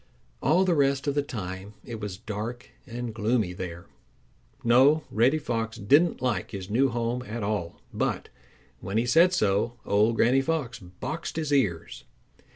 All the rest of the time it was dark and gloomy there. No, Reddy Fox didn't like his new home at all, but when he said so old Granny Fox boxed his ears.